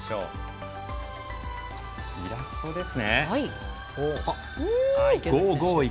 イラストですね。